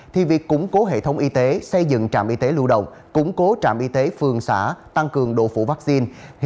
thì việc củng cố hệ thống y tế xây dựng trạm y tế lưu động củng cố trạm y tế phường xã tăng cường độ phủ vaccine